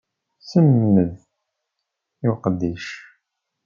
Semmed i uqeddic.